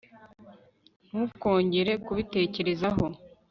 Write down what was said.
ntukongere kubitekerezaho